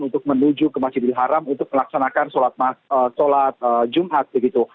untuk menuju ke masjidil haram untuk melaksanakan sholat jumat begitu